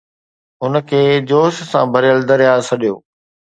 ان کي جوش سان ڀريل درياهه سڏيو